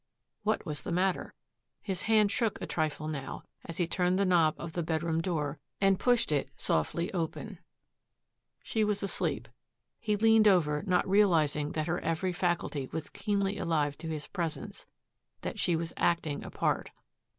What was the matter? His hand shook a trifle now as he turned the knob of the bedroom door and pushed it softly open. She was asleep. He leaned over, not realizing that her every faculty was keenly alive to his presence, that she was acting a part.